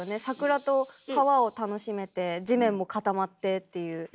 桜と川を楽しめて地面も固まってっていう。